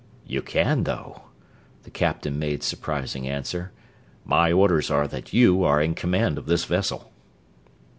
"You can, though," the captain made surprising answer. "My orders are that you are in command of this vessel."